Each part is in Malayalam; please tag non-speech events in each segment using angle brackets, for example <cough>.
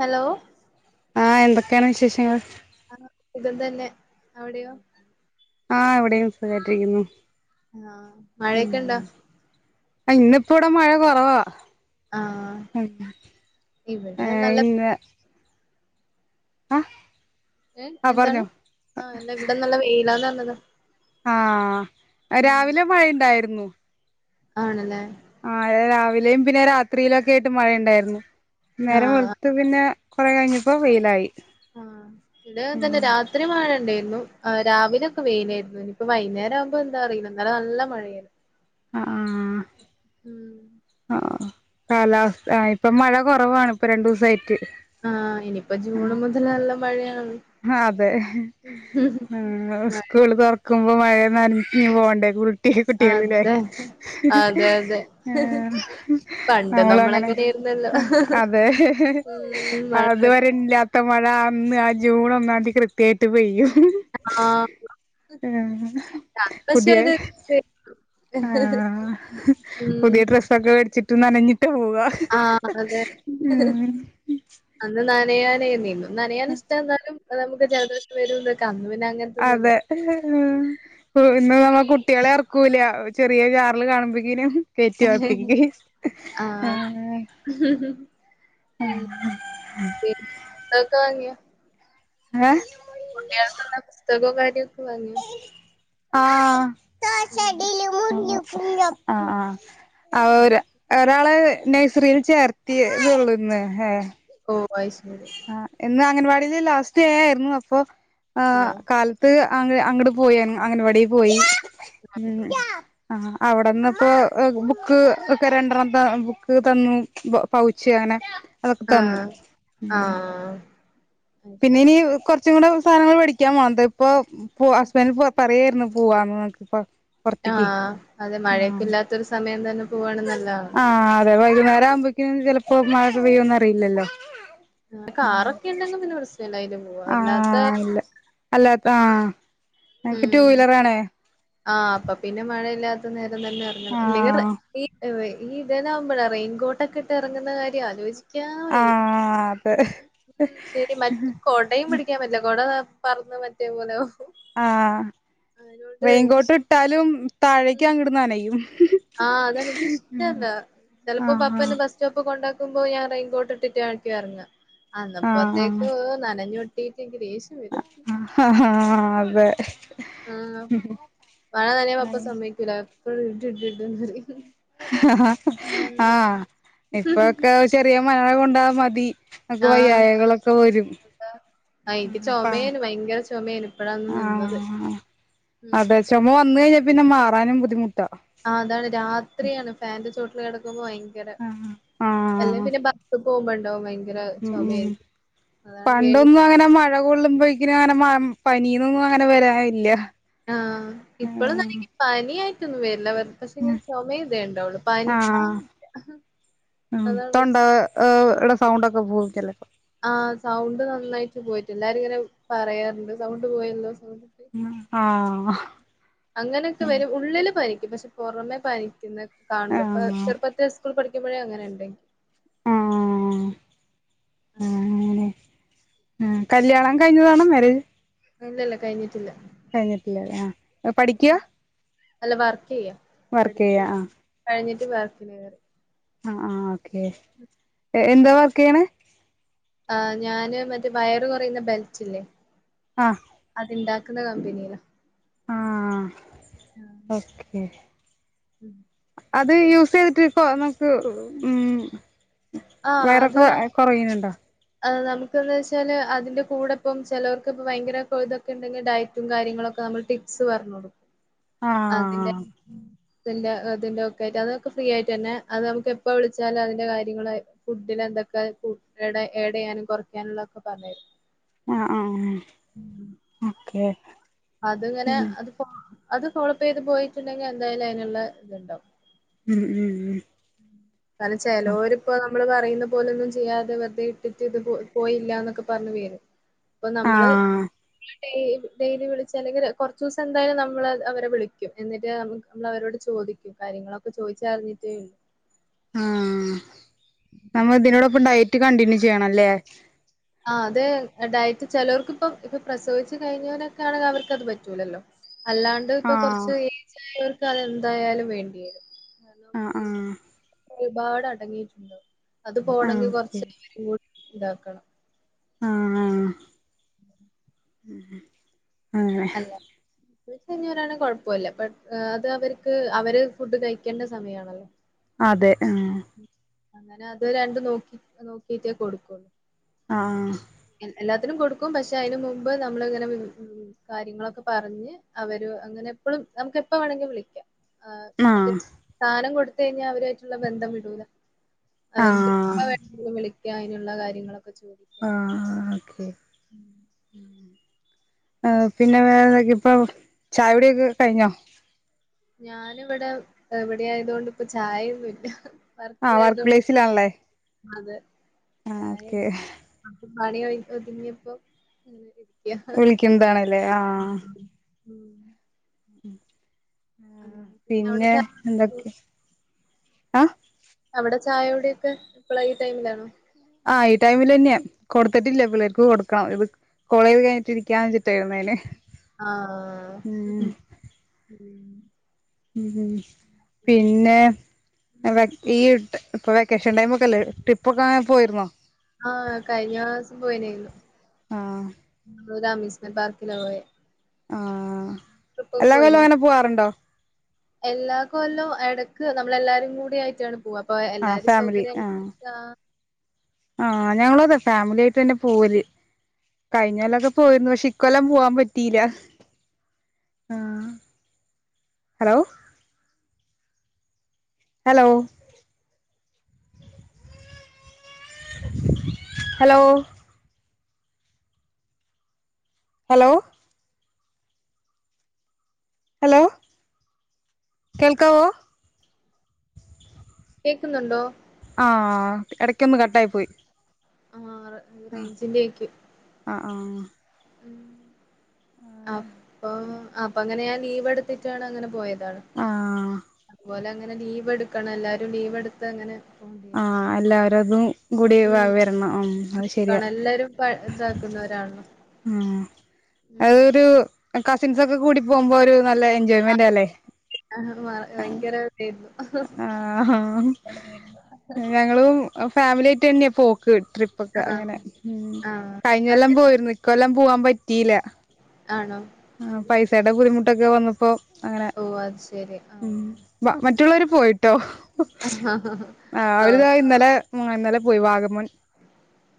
ഹലോ ആഹ് എന്തൊക്കെയാണ് വിശേഷങ്ങൾ? ആഹ് സുഖം തന്നെ അവിടെയോ? ആഹ് ഇവിടെയും സുഖായിട്ടിരിക്കുന്നു. ആഹ് മഴയൊക്കെ ഉണ്ടോ? ഇന്നിപ്പ ഇവിടെ മഴ കുറവാ. ആഹ് ഇവിടെ ഏഹ് നല്ല ഇന്ന് ആഹ് ഏ ആഹ് എന്താണ് പറഞ്ഞോ ആ ഇല്ലാ ഇവിടെ നല്ല വെയിലാന്ന് പറഞ്ഞതാ. ആഹ് ഉം രാവിലെ മഴയിണ്ടായിരുന്നു. ഉം ആണല്ലേ? ആഹ് രാവിലെയും പിന്നെ രാ ത്രിയിലൊക്കെ ആയിട്ട് മഴയുണ്ടാരുന്നു. നേരം ആഹ് വെളുത്തു പിന്നെ കുറെ കഴിഞ്ഞപ്പം വെയിലായി. ആഹ് ഇവിടെം അതുതന്നെ ഉം രാത്രി മഴയുണ്ടെയിരുന്നു. ആഹ് രാവിലൊക്കെ വെയിലാരുന്നു ഇപ്പൊ വൈന്നേരാവുമ്പൊ ന്താ അറിയില്ല ഇന്നല നല്ല മഴയാരുന്നു. ആ ആഹ് ഉം ആഹ് കാലാവസ്ഥ ആ ഇപ്പം മഴ കൊറവാണ് ഇപ്പ രണ്ടു ദിവസായിട്ട്. ആഹ് ഇനിയിപ്പ ജൂണ് ആഹ് മുതല് നല്ല മഴയാണല്ലോ അതെ ഉം മഴ സ്കൂള് തൊറ ക്കുമ്പം മഴേം നനഞ്ഞു പോകണ്ടേ കൂൾ ട്ടി കുട്ടികളില്ലേ അതെ അതെ അതെ ഏഹ് പണ്ട് നമ്മളങ്ങനെ ആഹ് നമ്മളങ്ങനെയായിരുന്നല്ലോ അതെ ഉം അതുവരെയില്ലാ ട്ട മഴ അന്ന് അ ജൂൺ ഒന്നാംതി കൃത്യായിട്ട് പെയ്യും. ആഹ് പക്ഷെ പുതിയെ ഒരു ആഹ് ഉം പുതിയ ഡ്രസ്സൊക്കെ മേടിച്ചി തു നനഞ്ഞ് ആഹ് അതെ ഉം അന്ന് നനയാൻ <unintelligible> നനയാൻ ഇഷ്ടാ എന്നാലും നമുക്ക് ജലദോഷം വരൂന്നൊക്കെ അ അതെ ഉം ഇന്ന് നമ്മ കു ട്ടികളെ ഇറക്കൂല്ല ചെറിയ ചാറല് കാണുമ്പോക്കീനും <unintelligible> ആ ആഹ് ആ ഉം പുസ്തകമൊക്കെ വാങ്ങിയോ ഏ കുട്ടികൾക്കുള്ള പുസ്തകവും കാര്യമൊക്കെ വാങ്ങിയോ ആ ദോശ ഉം ഇഡ്ഡ്ലി മുറിയും ആ ആ ആ ഒര ഒരാള് നഴ്സറിയിൽ ചേർത്തിയ ഇതൊള്ളൂന്ന് ഹേ ഓ അയ്ശെ ആ എന്നാ അംഗൻവാടി ലാസ്റ്റ് ഡേ ആയിരുന്നു അപ്പൊ ആ ആഹ് കാലത്ത് അ അങ്ങട്ട് അങ്ങട്ട് പോയിു അംഗനവാടിയിൽ പോയി ഉം ആ അവിടെന്ന് ഇപ്പോ ബുക്ക് ഒക്കെ രണ്ടെണ്ണം ത ബുക്ക് തന്നു പൗച്ച് അങ്ങനെ അതൊക്ക തന്നു ആ ഉം പിന്നെ ഇനി കൊറ കൊച്ചുങ്ങടെ സാധനങ്ങൾ മേടിക്കാൻ വേണ്ടിയിപ്പോ പ ഹസ്ബെൻഡ്‌ <unintelligible> ഒന്ന് പോവാണ് നമൂക്കിപ്പൊ ആ അതെ മഴയൊക്കെ ഇല്ലാത്തൊരു സമയം തന്നെ പോവാണ് നല്ലതാണ് ആ അതെ വൈകുന്നേരം ആകുമ്പോഴേക്കും ചില പ്പം മഴയൊക്കെ പെയ്യോന്ന് അറിയില്ലല്ലോ കാറൊക്കെ ഉണ്ടെങ്കിൽ പിന്നെ പ്രശ്നം ഇല്ല അതിന്റെ ആ ഇല്ല അല്ല ആ എനക്ക് ടു വീലർ ആണ് ആ അപ്പം പിന്നെ മഴയില്ലാത്ത നേര ആഹ് <unintelligible> ഈ ഇതന്നാവുമ്പഴേ റെയിൻ കോട്ടൊക്കെ ഇട്ട് ഇറങ്ങുന്ന കാര്യം ആലോചി ക്കാൻ വയ്യ ആഹ് അതെ ഉം ശരി മറ്റ കൊടയും പിടിക്കാൻ പറ്റില്ല കൊട പറന്നു മറ്റേ പോലെയോ ആഹ് എനിക്കിഷ് റെയിൻകോട്ട് ഇട്ടാലും താഴേക്ക് ഉം അങ്ങോട്ട് നനയും ആഹ് അതെനിക്കിഷ്ടല്ല ചെലപ്പോ പപ്പ ആഹ് എന്നെ ബസ് സ്റ്റോപ്പ് കൊണ്ടാകും ക്കുമ്പോ ഞാൻ റെയിൻകോട്ട് ഇട്ടിട്ടു ആയിരിക്കും ഇറങ്ങുക അന്നപ്പത്തേക്ക് നനഞ്ഞു ആഹഹാ അതെ ആഹ് ഉം മഴ നനയാൻ പപ്പാ സമ്മതിക്കൂല എപ്പോളും ഇട് ഇട് ഇടെന്നു പറയും ആ ഉം ആഹ് ഇപ്പൊക്കെ ചെറിയ മഴ കൊണ്ടാ മതി അക്കെ ആഹ് വയ്യായകളൊക്കെ വരും പ്പ ചൊമ്മ ആണ് ആഅതെ ചുമ വന്ന കഴിഞ്ഞ പിന്നെ മാറാനും ബുദ്ധിമുട്ട് ആ അതാണ് രാത്രിയാണ് ഫാന്റെ ചോട്ട കിടക്കുമ്പോ ഭയ ഭയകര ആഹ് എല്ല ആഹ് പിന്നെ ബസ് പോകുമ്പോഴും <unintelligible> ഉം പേടി പണ്ടൊന്നും അങ്ങനെ മഴ കൊള്ളുമ്പോക്ക അങ്ങനെ മ പനീന്നൊന്നും അങ്ങനെ വരാനില്ല ആഹ് ഇപ്പോഴും നല്ലങ്കി പനായിട്ട് <unintelligible> ഉ ആഹ് ഉ അതാണ് തൊണ്ട പ്രശ്നം ഇടെ സൗണ്ടക്കെ ഭുക്കല്ല ആഹ് സൗണ്ട് നന്നായിട്ട് പോയിട്ട് എല്ലാരും ഇങ്ങനെ പറയാറുണ്ട് സൗണ്ട് പോയല്ലോ സൗണ്ട് പോയി ആ അങ്ങനെയൊക്കെ വരും ഉള്ളില് പനിക്കും പക്ഷെ പൊറമെ പനിക്കുന്ന കാണൂല്ല ഇപ്പൊ ആഹ് ചെറുപ്പത്തെ ഇസ്കൂൾ പഠിക്ക ഇപ്പഴേ അങ്ങനെണ്ടെ ആ ആ അതാണ് അങ്ങനെ ആ കല്ല്യാണം കഴിഞ്ഞതാണോ മരേജ് ഇല്ലല്ലാ കഴിഞ്ഞിട്ടില്ല കഴിഞ്ഞിട്ടില്ലേ ആ പഠിക്കുവ അല്ല വർക്ക് ചെയ്യാം പഠിപ്പ് ആഹ് കഴിഞ്ഞിൻ വാർക്കിൻ കയറി ആഹ ആഹ ഓക്കെ എന്താ വർക്കയെണ് ആ ഞാന് മറ്റേ വയറ് കുറയുന്ന ബെൽറ്റ ഇല്ലേ ആ ഉണ്ടാക്കുന്ന കമ്പനില ആ ഓക്കെ അത് യൂസ് ചെയ്തിട്ട് നമ്മക്ക് ഉം വയറൊക്കെ കൊറയുന്നുണ്ടോ ആ നമ്മുക്ക് എന്താ വെച്ചാൽ അതിന്റെ കൂടെ ഇപ്പം ചിലോർക്ക് ഇപ്പോ ഭയങ്കര ഇതൊക്കെ ഉണ്ടെങ്കിൽ ഡയറ്റും കാര്യങ്ങളോക്കെ നമ്മൾ ടിപ്സ് പറഞ്ഞു കൊടുക്കും അതില്ലെ ആഹ് അതിന്റെ അതിന്റെ ഒക്കെ ആയിട്ട് അതൊക്കെ ഫ്രീ ആയിട്ട് തന്നെ അത് നമുക്ക് എപ്പ വിളിച്ചാലും അതിന്റെ കാര്യങ്ങൾ ഫുഡിൽ എന്തൊക്കെ എഡ എഡയ്യാനും കുറയ്ക്കാനുള്ള ഒക്കെ പറഞ്ഞു തരും ആ ആ മ് ഓക്കെ അതിങ്ങനെ അത്പോ അത് ഫോളപ്പ് ചെയ്ത് പോയിട്ടുണ്ടെങ്കിൽ എന്തായാലും അയിനുള്ള ഇത്ണ്ടാവും ഉം ഉം എന്നാലും ഉം ചലോര്പ്പേ നമ്മള് പറയുന്ന പോലൊന്നും ചെയ്യാതെ വെറുതെ ഇട്ടിട്ട് ഇത് പോയില്ലന്നൊക്കെ പറഞ്ഞു വേരും ഇപ്പ നമ്മൾ ആഹ് ഡേ ഡേയിലി വിളിച് അല്ലെങ്കിൽ കുറച്ചൂസം എന്തായാലും നമ്മൾ അവരെ വിളിക്കും എന്നിട്ട് നമ്മൾ അവരോട് ചോദിക്കും കാര്യങ്ങളൊക്കെ ചോദിച്ച അറിഞ്ഞിട്ടേ ഉള്ളൂ ആഹ നമ്മ ഇതിനോടൊപ്പം ഡയറ്റ് കണ്ടിന്യു ചെയ്യണല്ലേ ആ അതെ ഡയറ്റ് ചലോർക്ക് ഇപ്പം പ്രസവിച്ചു കഴിഞ്ഞവരോക്കെ ആണെങ്കിൽ അവർക്ക്ത് പറ്റൂലല്ലോ അല്ലാണ്ട് ഇപ്പൊ ആഹ് കൊറച്ച് ഏയ്ജ്ഉള്ളവർക്ക് എനിക്കത് എന്തായാലും വേണ്ടി വരും ഒന്നും ആഹ് ആഹ് കേൾക്കുന്നില്ല ഒരുപാട് അടങ്ങിയിട്ടുണ്ടോ അത് ആഹ് പോണങ്കിൽ ഓക്കെ കുറച്ച് ഇതാക്കണം ആഹ ആഹ അ കയിഞ്ഞവരാണെ കുഴപ്പല്ല ബട്ട് അത് അവർക്ക് അവര് ഫുഡ് കഴിക്കേണ്ട സമയാണല്ലോ അതെ ആ അങ്ങനെ അത് രണ്ട് നോക്കി നോക്കിട്ടേ കൊടുക്കുള്ളൂ ആഹ് എൽ- എല്ലാത്തിനും കൊടുക്കും പക്ഷെ അതിന് മുമ്പ് നമ്മൾ ഇങ്ങനെ കാര്യങ്ങളൊക്കെ പറഞ്ഞ് അവര് അങ്ങനെ എപ്പളും നമക്ക് എപ്പ വേണങ്കി വിളിക്കാം ആ മറ്റേ ആഹ് സ്ഥാനം കൊടുത്ത് ത് കഴിഞ്ഞാ അവരായിട്ടുള്ള ബന്ധം വിടൂലാ അവർക്ക് ആഹ് എപ്പോ വേണെങ്കിലും വിളിക്ക അതിനുള്ള കാര്യങ്ങളക്കെ ചോദിക്കാം അങ്ങനെ ആഹ് ഓക്കെ പിന്നെ വേറെ ഇപ്പൊ ചായകുടിയൊക്കെ കഴിഞ്ഞോ ഞാന് ഇവിടെ ഇവിടെ ആയത് കൊണ്ട് ഇപ്പൊ ചായയൊന്നുല്ല ആ വർക്ക് വർക്കിലായതുകൊണ്ട് പ്ലേസിലാണല്ലേ അതെ ആഹ് ചായ ഓക്കെ പണി ഒ ഒതുങ്ങിയപ്പോ അങ്ങനെ ഇരിക്ക വിളിക്ക്ന്നതാണല്ലേ ആ ഉം ഉം ആ അങ്ങനെ അവിടെ പിന്നെ ചാ എന്തൊക്കെ ആ അവിടെ ചായകുടിയൊക്കെ ഇപ്പള ഈ ടൈമിലാണോ ആ ഈ ടൈമിൽ തന്നെയാ കൊടുത്തിട്ടില്ല പിള്ളേർക്ക് കൊടുക്കണം ഇത് കോളേജ് കഴിഞ്ഞിട്ട് ഇരിക്കാ വച്ചിട്ടായിരുന്നന് അ ആ ഉം പിന്നെ ടീഇട്ട് ഇപ്പൊ വെക്കേഷൻ ടൈം ഒക്കെല്ലേ ട്രിപ്പ് ഒക്കെ പോയിരുന്നോ ആ കഴിഞ്ഞ മാസം പോയിനെന്നു ആഹ് <unintelligible> ഞ പാർക്കില പോയെ ആ ട്രിപ്പക്ക് പോയിനു എല്ലാ കൊല്ലം എട ക്ക്‌ നമ്മളെല്ലാരും കൂടി ആയിട്ടാണ് പോവാ ഇപ്പൊ ആഹ് എല്ലാരും സൗകര്യ അനുസരിച്ചാ ആ ഞങ്ങളും അതെ ഫാമിലി ആയിട്ട് തന്നെ പോവല് കഴിഞ്ഞല്ലൊക്കെ പോയിരുന്നു പക്ഷെ ഇക്കൊല്ലം പോവാൻ പറ്റില്ല ആ hello hello hello hello hello കേൾക്കാവോ കേക്കുന്നുണ്ടോ ആ എടക്ക് ഒന്ന് കട്ടായി പോയി ആ റെ റേഞ്ചിന്റെ ആയ്ക്കും ആ അപ്പം അപ്പങ്ങനെ ഞാൻ ലീവ് എടുത്തിട്ടാണ് അങ്ങനെ പോയത് ആഹ് <unintelligible> അതുപോലെ അങ്ങനെ ലീവ് എടുക്കണം എല്ലാരും ലീവ് എടുത്ത് അങ്ങനെ പോണ്ടി ആ വരും എല്ലാവരതും കൂടി വ ഉം വരണം ഉം അത് ശരിയാ ക്കണം എല്ലാരും പ ഇതാക്കുന്നവരാണല്ലോ ആ ഉം അതരു കസിൻസ് ഒക്കെ കൂടിപ്പോ പോകുമ്പോ ഒരു നല്ല എൻജോയ്മെന്റ് അല്ലേ ആ ഭയങ്കര ഇതായിരുന്നു ആഹ ഞങ്ങളും ഫാമിലിയായിട്ട് തന്നെയാ പോക്ക് ട്രിപ്പ ഒക്കെ ആഹ് അങ്ങനെ ഉ ആഹ് കഴിഞ്ഞെല്ലം അത് പോയിരുന്നു ഇിക്കൊല്ലാം പോവാൻ പറ്റിയില്ല ആണോ ആ ഉം പൈസേടേ ബുദ്ധിമുട്ട് ട്ടൊക്കെ വന്നപ്പോ അങ്ങനെ ഓഹ് അത് ശരി ഉം ആഹ് മറ്റ് മറ്റുള്ളവർ പോയിട്ടോ ആ അവരിത ആഹ് ഇന്നലെ ഇന്നാലെ പോയി വാഗമൺ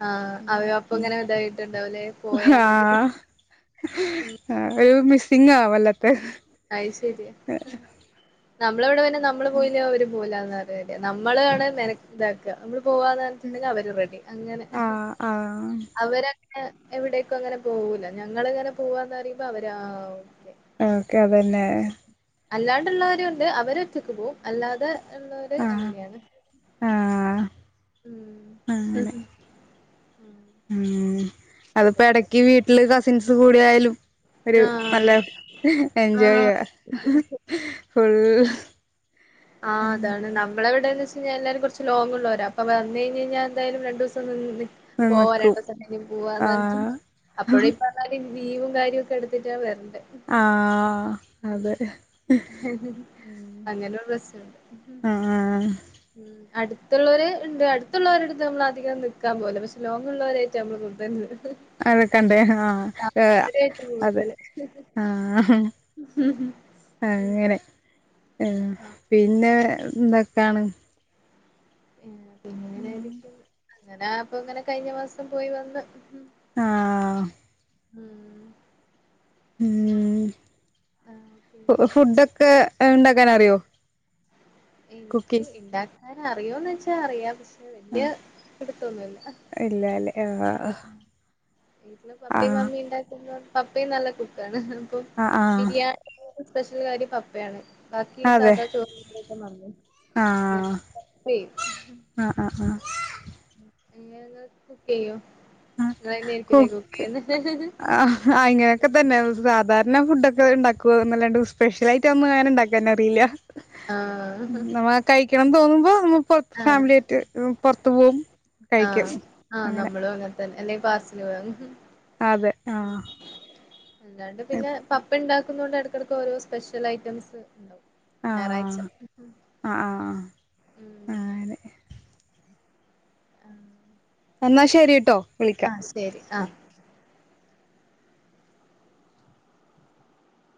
ആഹ് അവയുടെ അപ്പ അങ്ങനെ ഇതായിട്ടുണ്ടാവല്ലെ ആഹ് ആഹ് ഒരു മിസ്സിംഗ് വല്ലാതെ അയ് ശരിയാ നമ്മളെവിടെ <inaudible> നമ്മള് പോയില അവര് പോവില്ല എന്ന അതേലെ നമ്മളാണ് നെല ഇതാക്കുക പോവാന്ന് പറ്ഞിട്ടുണ്ടെങ്കിൽ അവര് റെഡി അങ്ങനെ ആഹ് ആഹ് അവര എവിടേക്കും അങ്ങനെ പോവൂല ഞങ്ങളിങ്ങനെ പോവാന്നറിയുമ്പോ അവരാ ഓ ഓക്കെ അതന്നെ അല്ലാണ്ടുള്ളവാരൊണ്ട് അവരെ എത്തിക്ക് പോവും അല്ലാതെ ഉള്ളര് ആഹ് അങ്ങനെയാണ് ആഹ് അങ്ങനെ ഉം ഉം അത്പ്പോ ഇടക്ക് വീട്ടില് ക സെൻസ് കൂട ആയാലും ഒരു ആഹ് നല്ല അതെ എൻജോയ് ആഹ് ചെയ്യ ഫുൾ ആ അതാണ് നമ്മള എവിടെന്ന് എല്ലാരും ലോങ് ഉള്ളരാ അപ്പോ വന്ന് കഴിഞ്ഞ കഴിഞ്ഞാ എന്തായാലും ദിവസം നിന്ന് നി പോവാ നിക്കും രണ്ടോസും പോവാ എന്നും ആഹ് അപ്പോഴ ഇപ്പാല ലീവും കാര്യമൊക്കെ എടുത്തിട്ടാ വര ആ അതെ ഉം അങ്ങനെരു പ്രശനുണ്ട് ആഹ് ഉം അടുത്തുള്ളവരെ ഉണ്ട് അടുത്തുള്ളവരുടുത്ത് നമ്മൾ അധികം നിക്കക്കാൻ പോകല പക്ഷെ ലോങ് ഉള്ളവരായിട്ട് നമ്മൾ <unintelligible> അതൊ കണ്ടേ ആ ഏ അവരായിട്ട് അത് കൂടുതല് ഹ ഉം അങ്ങനെ ആ പിന്നെ എന്താ കാണ ഉം ഉം അങ്ങനെ അപ്പൊ ഇങ്ങനെ കഴിഞ്ഞ മാസം പോയി വന്ന് ആ ഉം ഉം ആഹ് ഫ പിന്നെ ഫുഡൊക്കെ ഉണ്ടാക്കാൻ അറിയോ എനിക്ക് കുക്കിംഗ് ഇണ്ടാക്കാന അറിയോന്ന് വെച്ചാ അറിയാം പക്ഷെ വല്യ ആഹ് പിടുത്തൊന്നുല്ല വീട്ടില് പപ്പയും മമ്മിയും ഇണ്ടാക്കുമ്പോ ആ പപ്പയും നല്ല കുക്കാണ് ആഹ് ബിരിയാണി സ്പെഷ്യൽ കാര്യ പപ്പയാണ് ബാക്കി അതെ സാധാ <unintelligible> മമ്മി ആഹ് ഞന് ഹെല്പ് ചെയ്യും ആഹ് ആഹ് ങ്ങ കുക്ക് ചെയ്യോ ആ നിങ്ങളെന്നെയായിരിക്കുംല്ലേ കുക്ക് ചെയ്യുന്നെ? അങ്ങനെയൊക്കെ തന്നെ സാധാരണ ധാരണ ഫുടൊക്കെ ഉണ്ടാക്കുക അല്ലാ സ്പെഷ്യലയിട്ട് ഒന്നും അങ്ങനെണ്ടാക്കാന അറിയില്ല ആഹ് നമ്മ കഴിക്കണം തോന്നുന്നു ഫാമിലിയായിട്ട് പൊർത്ത്പോവും ആ ആ നമ്മളും അങ്ങനെ അല്ലെ പാസല് വാ അതെ ആ അല്ലാണ്ട് പിന്നെ പപ്പ ഇണ്ടാക് ന്നൊണ്ട് ഇടക്കെടക്ക് ഓരോ സ്പെഷ്യൽ ഐറ്റംസ് ണ്ടാവും ഞായറാഴ്ച ആഹ് ആഹ് ആഹ് ഉം ആഹ് അങ്ങനെ ആ എന്നാ ശരിട്ടോ വിളിക്കാം ആ ശരി ആ